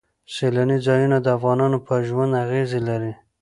سیلاني ځایونه د افغانانو په ژوند اغېزې لري.